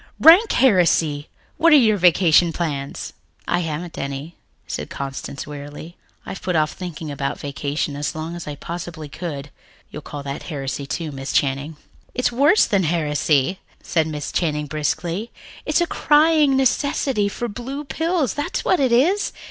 "Rank heresy! What are your vacation plans?" "I haven't any," said Constance wearily. "I've put off thinking about vacation as long as I possibly could. You'll call that heresy, too, Miss Channing." "It's worse than heresy," said Miss Channing briskly. "It's a crying necessity for blue pills, that's what it is.